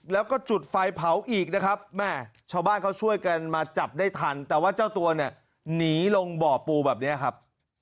แล้วก็จุดไฟเผาอีกนะครับแม่ชาวบ้านเขาช่วยกันมาจับได้ทันแต่ว่าเจ้าตัวเนี่ยหนีลงบ่อปูแบบนี้ครับ